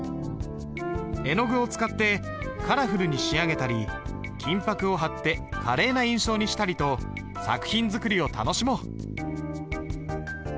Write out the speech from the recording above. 絵の具を使ってカラフルに仕上げたり金箔を貼って華麗な印象にしたりと作品作りを楽しもう。